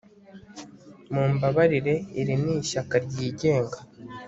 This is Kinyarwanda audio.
mumbabarire, iri ni ishyaka ryigenga